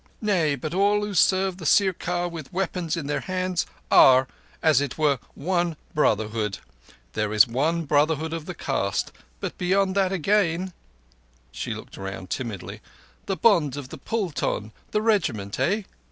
"Nay, but all who serve the Sirkar with weapons in their hands are, as it were, one brotherhood. There is one brotherhood of the caste, but beyond that again"—she looked round timidly—"the bond of the Pulton—the Regiment—eh?"